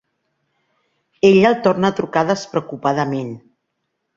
Ella el torna a trucar despreocupadament.